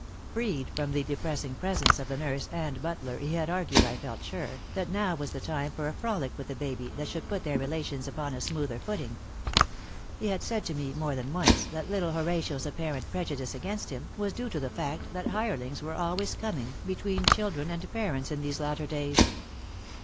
Freed from the depressing presence of the nurse and butler he had argued, I felt sure, that now was the time for a frolic with the baby that should put their relations upon a smoother footing. He had said to me, more than once, that little Horatio's apparent prejudice against him was due to the fact that hirelings were always coming between children and parents in these latter days.